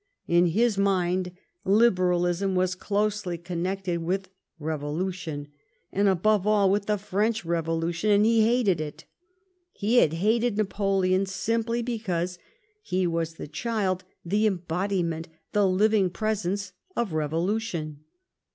In his mind liberalism was closely connected with revolution, and, above all, with the French revolution, and ho hated it. He had hated Napoleon simply because he was the child, the embodiment, the living presence of revolution.